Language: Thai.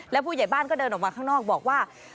แล้วผู้ใหญ่บ้านก็เดินออกมาข้างนอกบอกว่า